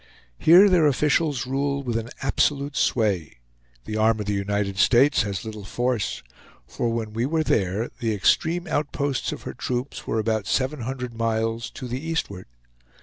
Here their officials rule with an absolute sway; the arm of the United States has little force; for when we were there, the extreme outposts of her troops were about seven hundred miles to the eastward.